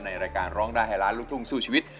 ในรายการร้องได้ให้ล้านลูกทุ่งสู้ชีวิต